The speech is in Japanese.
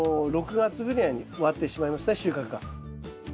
６月ぐらいに終わってしまいますね収穫が。